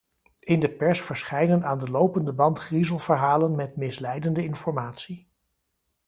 In de pers verschijnen aan de lopende band griezelverhalen met misleidende informatie.